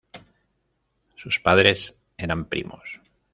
Sus padres eran primos.